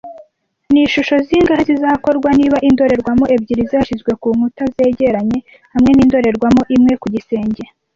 Ni ishusho zingahe zizakorwa niba indorerwamo ebyiri zashyizwe ku nkuta zegeranye hamwe n'indorerwamo imwe ku gisenge